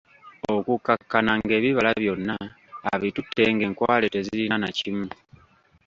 Okukkakkana ng'ebibala byonna abitutte ng'enkwale tezirina na kimu.